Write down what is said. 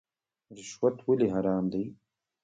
رشوت ولې حرام دی؟